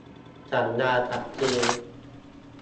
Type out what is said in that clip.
สัญญาจัดซื้อ